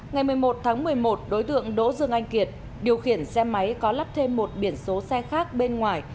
ngày một mươi một tháng một mươi một đối tượng đỗ dương anh kiệt điều khiển xe máy có lắp thêm một biển số xe khác bên ngoài